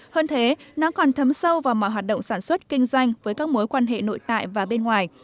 hơn thế nó còn thấm sâu vào mọi hoạt động sản xuất kinh doanh với các mối quan hệ nội tại và bên ngoài